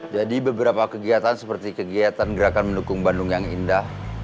jadi beberapa kegiatan seperti kegiatan gerakan mendukung bandung yang indah